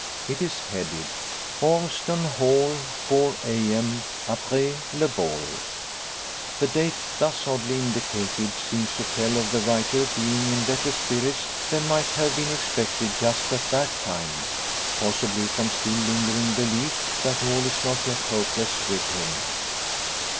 It is headed "Ormeston Hall, 4 a.m., Apres le bal." The date, thus oddly indicated, seems to tell of the writer being in better spirits than might have been expected just at that time; possibly from a still lingering belief that all is not yet hopeless with him.